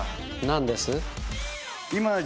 何です？